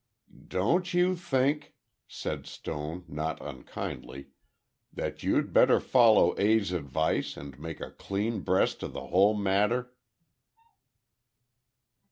"Don't you think," said Stone, not unkindly, "that you'd better follow A's advice and make a clean breast of the whole matter?"